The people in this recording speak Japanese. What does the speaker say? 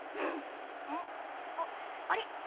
んあっあれ？